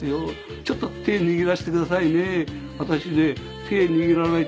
ちょっと手握らせてくださいね」。